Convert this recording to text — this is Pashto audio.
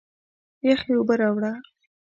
یخي اوبه راړه!